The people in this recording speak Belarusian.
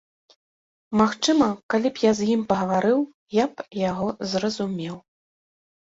Магчыма, калі б я з ім пагаварыў, я б яго зразумеў.